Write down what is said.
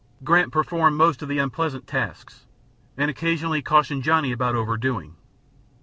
Grant performed most of the unpleasant tasks, and occasionally cautioned Johnny about overdoing.